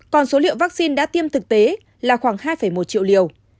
còn số liệu vaccine đã tiêm thực tế là khoảng hai một triệu liều